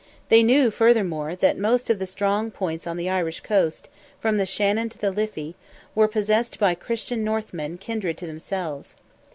They knew, furthermore, that most of the strong points on the Irish coast, from the Shannon to the Liffey, were possessed by Christian Northmen kindred to themselves.